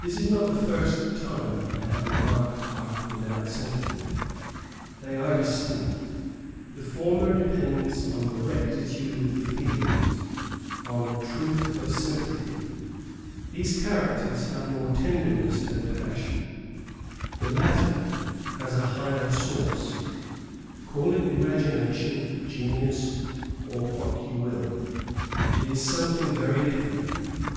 This is not the first time I have remarked heart without sentiment; they are distinct. The former depends on the rectitude of the feelings, on truth of sympathy; these characters have more tenderness than passion; the latter has a higher source call it imagination, genius, or what you will, it is something very different.